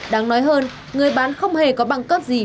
đáng nói hơn người bán không hề có bằng cấp gì